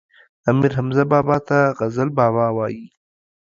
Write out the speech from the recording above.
امير حمزه بابا ته غزل بابا وايي